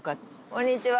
こんにちは。